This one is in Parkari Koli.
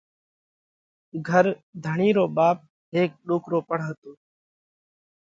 گھر ڌڻِي رو ٻاپ هيڪ ڏوڪرو پڻ هتو۔